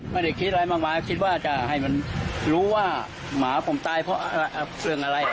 ไม่ได้คิดอะไรมากมายคิดว่าจะให้มันรู้ว่าหมาผมตายเพราะเรื่องอะไร